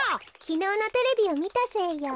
きのうのテレビをみたせいよ。